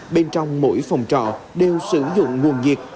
bên trong mỗi phòng trọ đều sử dụng nguồn nhiệt